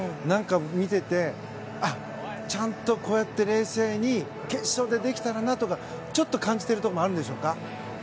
見ていてちゃんとこうやって冷静に決勝でできたらなとか感じているところもあるんでしょうか。